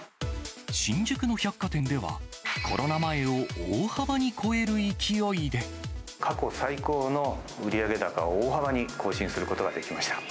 新宿の百貨店では、過去最高の売上高を、大幅に更新することができました。